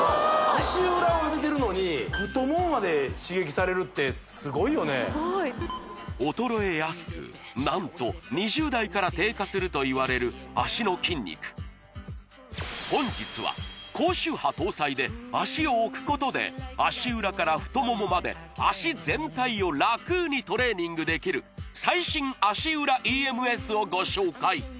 されるってすごいよね衰えやすく何と２０代から低下するといわれる足の筋肉本日は高周波搭載で足を置くことで足裏から太ももまで脚全体を楽にトレーニングできる最新足裏ＥＭＳをご紹介